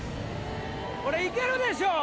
これいけるでしょう？